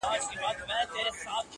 سیاه پوسي ده، ستا غمِستان دی،